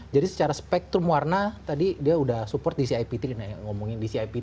jadi secara spektrum warna tadi dia sudah mendukung dci p tiga